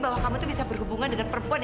bahwa kamu bisa berhubungan dengan cewek ini ma